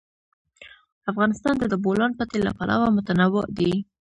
افغانستان د د بولان پټي له پلوه متنوع دی.